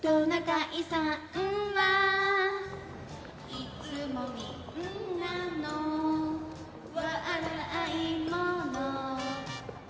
「いつもみんなのわらいもの」